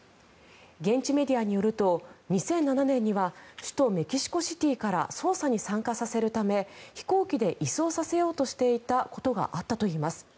現地メディアによると２００７年には首都メキシコシティから捜査に参加させるため飛行機で移送させようとしていたことがあったといいます。